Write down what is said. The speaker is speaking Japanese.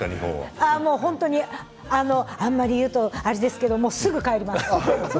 あんまり言うとあれですけどすぐ帰ります。